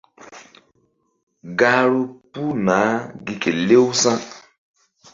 Gahru puh naah gi kelew sa̧.